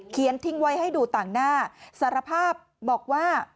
ทิ้งทิ้งไว้ให้ดูต่างหน้าสารภาพบอกว่า